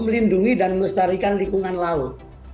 melindungi dan melestarikan lingkungan laut